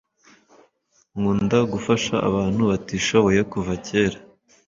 nkunda gufasha abantu batishoboye kuva kera